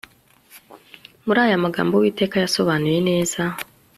Muri aya magambo Uwiteka yasobanuye neza